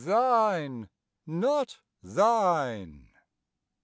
Thine, not thine.